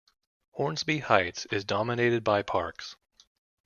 Hornsby Heights is dominated by parks.